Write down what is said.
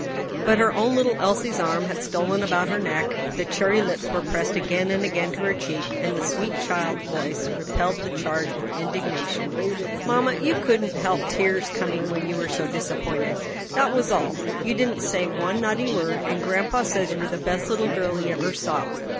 But her own little Elsie's arm had stolen about her neck, the cherry lips were pressed again and again to her cheek, and the sweet child voice repelled the charge with indignation. "Mamma, you couldn't help the tears coming when you were so disappointed; and that was all. You didn't say one naughty word. And grandpa says you were the best little girl he ever saw."